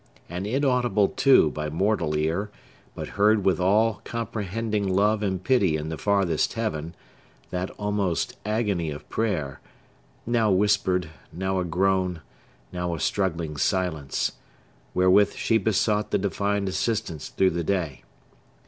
And inaudible, too, by mortal ear, but heard with all comprehending love and pity in the farthest heaven, that almost agony of prayer—now whispered, now a groan, now a struggling silence—wherewith she besought the Divine assistance through the day!